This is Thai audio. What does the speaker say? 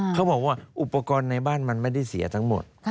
เขาบอกว่าอุปกรณ์ในบ้านมันไม่ได้เสียทั้งหมด